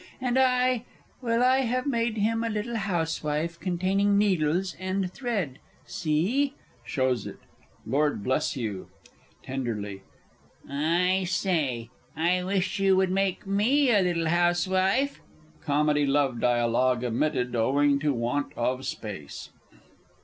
And I well, I have made him a little housewife, containing needles and thread ... See! [Shows it. Lord Blesh. (tenderly). I say, I I wish you would make me a little housewife! [_Comedy love dialogue omitted owing to want of space.